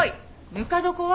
ぬか床は？